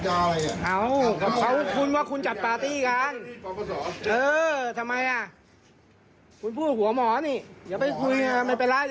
รวมตีมาร่วมไปเลย